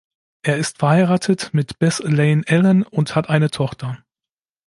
Er ist verheiratet mit Beth Elaine Allen und hat eine Tochter.